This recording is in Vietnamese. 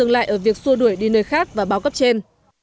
dừng lại ở việc xua đuổi đi nơi khác và báo cấp trên